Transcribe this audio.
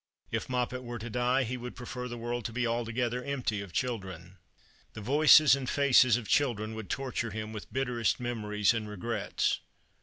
If Moppet were to die he would prefer the world to be altogether empty of children. The voices and the faces of children would torture him with bitterest memories and regrets.